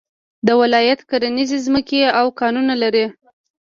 دا ولايت کرنيزې ځمکې او کانونه لري